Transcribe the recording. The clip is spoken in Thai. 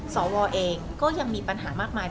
สวเองก็ยังมีปัญหามากมาย